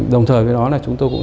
đồng thời với đó là chúng tôi cũng